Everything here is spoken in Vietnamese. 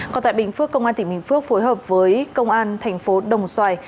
còn tại bình phước công an tỉnh bình phước phối hợp với công an thành phố đồng xoài